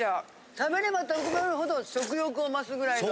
食べれば食べるほど食欲を増すぐらいの。